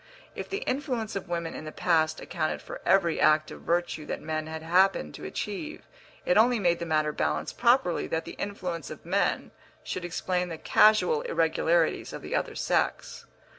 If the influence of women in the past accounted for every act of virtue that men had happened to achieve, it only made the matter balance properly that the influence of men should explain the casual irregularities of the other sex.